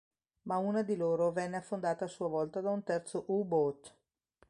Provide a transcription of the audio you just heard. Ma una di loro venne affondata a sua volta da un terzo U-Boot.